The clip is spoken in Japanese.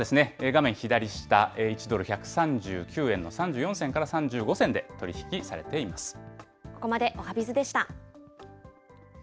画面左下、１ドル１３９円の３４銭から３５銭で取り引きされていここまでおはＢｉｚでした。